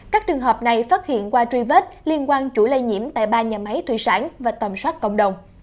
các trường hợp này phát hiện qua truy vết liên quan chuỗi lây nhiễm tại ba nhà máy thủy sản và tầm soát cộng đồng